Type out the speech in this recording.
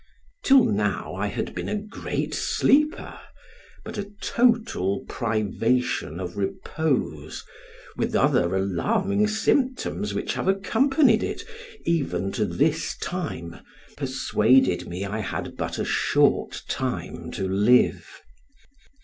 Till now, I had been a great sleeper, but a total privation of repose, with other alarming symptoms which have accompanied it, even to this time, persuaded me I had but a short time to live.